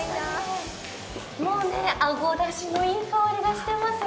あごだしのいい香りがしていますよ。